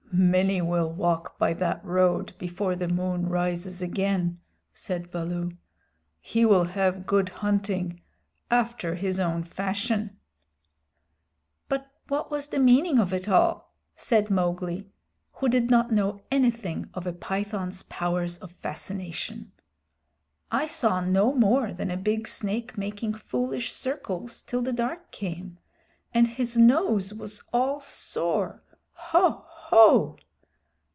"Many will walk by that road before the moon rises again," said Baloo. "He will have good hunting after his own fashion." "But what was the meaning of it all?" said Mowgli, who did not know anything of a python's powers of fascination. "I saw no more than a big snake making foolish circles till the dark came. And his nose was all sore. Ho! Ho!"